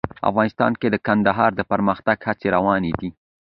افغانستان کې د کندهار د پرمختګ هڅې روانې دي.